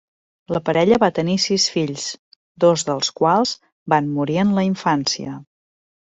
La parella va tenir sis fills, dos dels quals van morir en la infància.